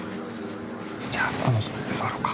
じゃあここに座ろうか。